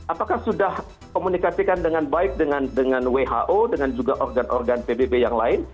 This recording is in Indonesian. apakah sudah komunikasikan dengan baik dengan who dengan juga organ organ pbb yang lain